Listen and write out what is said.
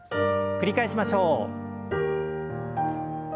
繰り返しましょう。